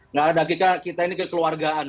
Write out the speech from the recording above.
nggak ada kita ini kekeluargaan